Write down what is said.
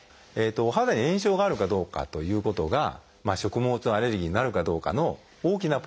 お肌に炎症があるかどうかということが食物アレルギーになるかどうかの大きなポイントになるんですね。